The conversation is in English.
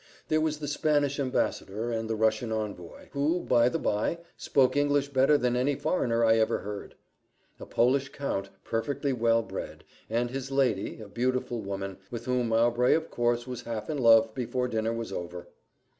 There was the Spanish ambassador and the Russian envoy who, by the by, spoke English better than any foreigner I ever heard; a Polish Count, perfectly well bred, and his lady, a beautiful woman, with whom Mowbray of course was half in love before dinner was over.